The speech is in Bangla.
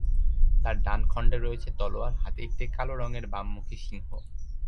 আর ডান খণ্ডে রয়েছে তলোয়ার হাতে একটি কালো রঙের বাম মুখী সিংহ।